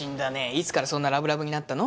いつからそんなラブラブになったの？